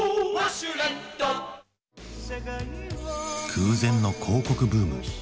空前の広告ブーム。